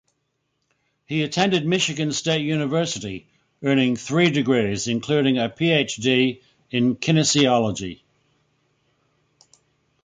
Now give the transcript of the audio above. He attended Michigan State University, earning three degrees, including a Ph.D. in kinesiology.